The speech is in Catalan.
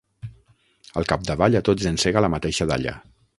Al capdavall a tots ens sega la mateixa dalla.